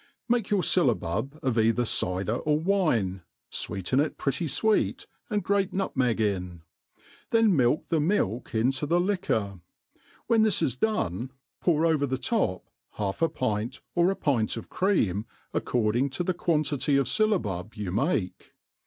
MAKE your fyllabub of eithtr cyder or wine, fweeten ft pretty fweet, and grate nutmeg in; then milk the mitk into the liqoor; when this is done, pour over the top half a pint or a pint of *cream, according to the quantity of fyllabub you make.